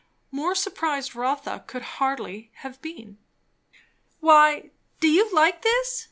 More surprised Rotha could hardly have been. "Why, do you like this?"